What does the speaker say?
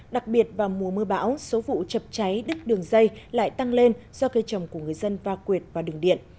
đặc biệt vào mùa mưa bão số vụ chập cháy đứt đường dây lại tăng lên do cây trồng của người dân va quyệt vào đường điện